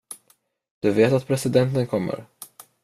Du vet att presidenten kommer?